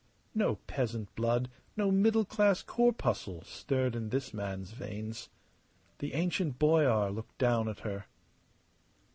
No peasant blood, no middle class corpuscle, stirred in this man's veins. The ancient boyar looked down at her.